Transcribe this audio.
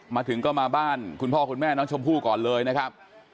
มาถึงก็มาบ้านคุณพ่อคุณแม่น้องชมพู่ก่อนเลยนะครับ